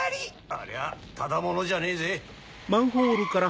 ありゃタダ者じゃねえぜ。